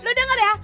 lo denger ya